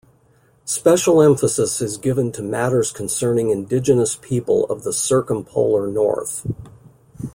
Special emphasis is given to matters concerning Indigenous people of the Circumpolar North.